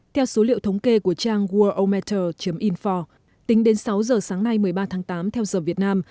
theo số liệu thống kê của trang worldometer info tính đến sáu giờ sáng nay một mươi ba tháng tám theo giờ việt nam